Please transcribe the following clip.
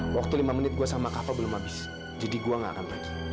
waktu lima menit gue sama kapal belum habis jadi gue gak akan